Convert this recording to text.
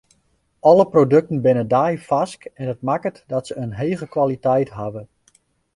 Alle produkten binne deifarsk en dat makket dat se in hege kwaliteit hawwe.